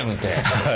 はい。